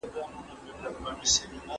زه به سبا واښه راوړم وم!!